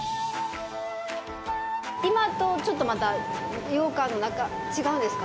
今とちょっとまた羊羹の中違うんですか？